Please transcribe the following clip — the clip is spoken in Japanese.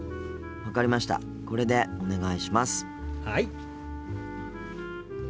はい。